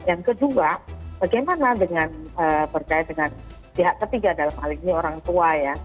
yang kedua bagaimana dengan berkait dengan pihak ketiga dalam hal ini orang tua ya